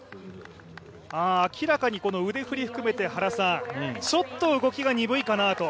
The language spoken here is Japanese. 明らかに腕振りを含めてちょっと動きが鈍いかなと。